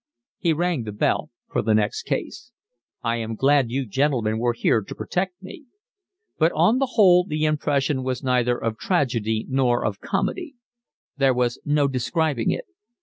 He rang the bell for the next case. "I am glad you gentlemen were here to protect me." But on the whole the impression was neither of tragedy nor of comedy. There was no describing it.